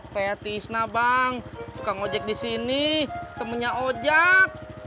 saya hati isna bang tukang ojek disini temennya ojek